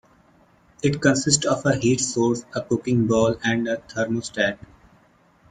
It consists of a heat source, a cooking bowl, and a thermostat.